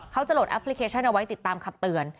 โหลดแอปพลิเคชันเอาไว้ติดตามคำเตือน